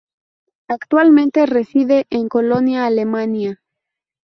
Actualmente reside en Colonia, Alemania.